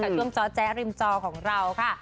กับช่วงจ๊อจ๊ะริมจอของเราค่ะ